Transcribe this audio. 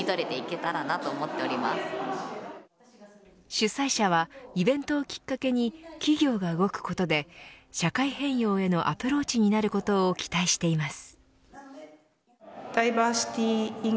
主催者はイベントをきっかけに企業が動くことで社会変容へのアプローチになることを期待しています。